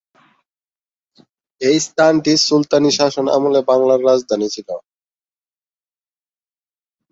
এ স্থানটি সুলতানী শাসনামলে বাংলার রাজধানী ছিল।